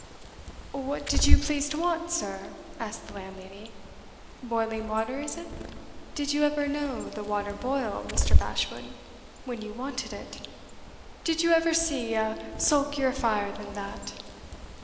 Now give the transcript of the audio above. "What did you please to want, sir?" asked the landlady. "Boiling water, is it? Did you ever know the water boil, Mr. Bashwood, when you wanted it? Did you ever see a sulkier fire than that?